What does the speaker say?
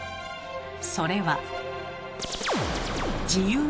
それは。